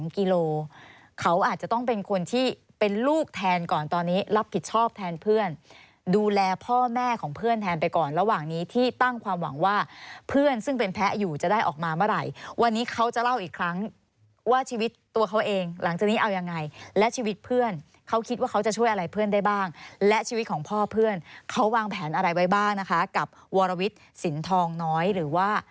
กิโลเขาอาจจะต้องเป็นคนที่เป็นลูกแทนก่อนตอนนี้รับผิดชอบแทนเพื่อนดูแลพ่อแม่ของเพื่อนแทนไปก่อนระหว่างนี้ที่ตั้งความหวังว่าเพื่อนซึ่งเป็นแพ้อยู่จะได้ออกมาเมื่อไหร่วันนี้เขาจะเล่าอีกครั้งว่าชีวิตตัวเขาเองหลังจากนี้เอายังไงและชีวิตเพื่อนเขาคิดว่าเขาจะช่วยอะไรเพื่อนได้บ้างและชีวิตของพ่อเพื่อนเขาวางแผนอะไรไว้บ้างนะคะกับวรวิทย์สินทองน้อยหรือว่า